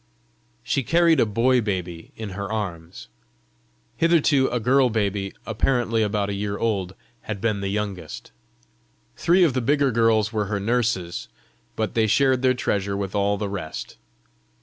She carried a boy baby in her arms: hitherto a girl baby, apparently about a year old, had been the youngest. Three of the bigger girls were her nurses, but they shared their treasure with all the rest.